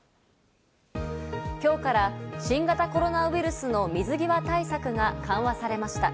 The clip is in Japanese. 今日から新型コロナウイルスの水際対策が緩和されました。